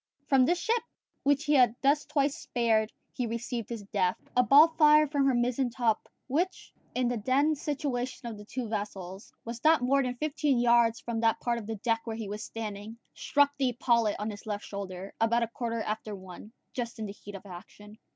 From this ship, which he had thus twice spared, he received his death. A ball fired from her mizzen top, which, in the then situation of the two vessels, was not more than fifteen yards from that part of the deck where he was standing, struck the epaulet on his left shoulder, about a quarter after one, just in the heat of action.